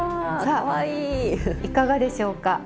さあいかがでしょうか？